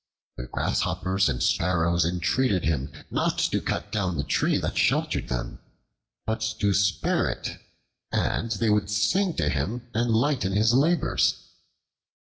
The grasshoppers and sparrows entreated him not to cut down the tree that sheltered them, but to spare it, and they would sing to him and lighten his labors.